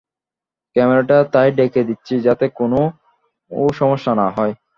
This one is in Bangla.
ক্যামেরাটা তাই ঢেকে দিচ্ছি, যাতে কোনো সমস্যা না হয়।